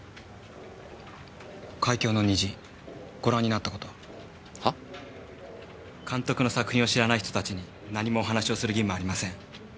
『海峡の虹』ご覧になった事は？は？監督の作品を知らない人たちに何もお話をする義務はありません。